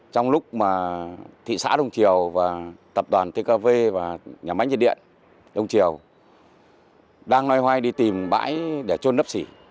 trong lúc mà thị xã đông triều và tập đoàn tkv và nhà máy nhiệt điện đông triều đang loay hoay đi tìm bãi để trôn nấp xỉ